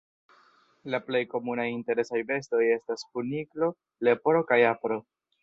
La plej komunaj interesaj bestoj estas kuniklo, leporo kaj apro.